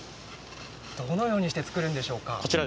どのようにして作るんでしょうか。